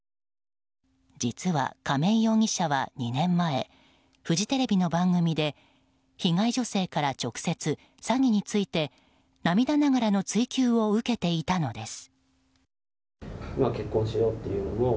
実は亀井容疑者は２年前フジテレビの番組で被害女性から直接、詐欺について涙ながらの追及を受けていたのです。